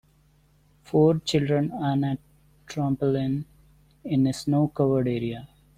Four children on a trampoline, in a snow covered area.